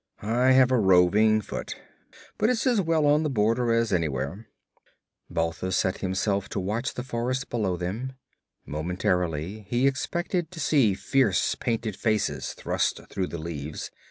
I have a roving foot. But it's as well on the border as anywhere.' Balthus set himself to watch the forest below them. Momentarily he expected to see fierce painted faces thrust through the leaves.